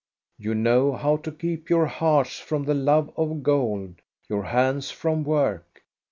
You know how to keep your hearts from the love of gold, your hands from work.